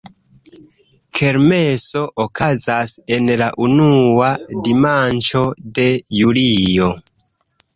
Kermeso okazas en la unua dimanĉo de julio.